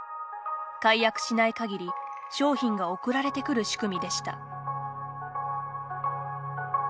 解約しないかぎり商品が送られてくる仕組みでした。